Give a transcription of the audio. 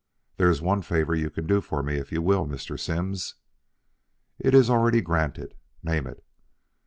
"There is one favor you can do for me if you will, Mr. Simms." "It is already granted. Name it."